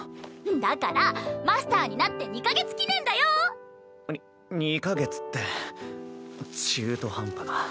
だからマスターになって２か月記念だよ。に２か月って中途半端な。